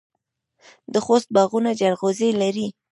د خوست باغونه جلغوزي لري.